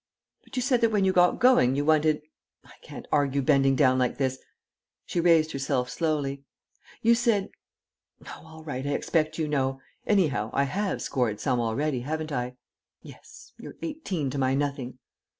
"But you said that when you got going, you wanted I can't argue bending down like this." She raised herself slowly. "You said Oh, all right, I expect you know. Anyhow, I have scored some already, haven't I?" "Yes. You're eighteen to my nothing."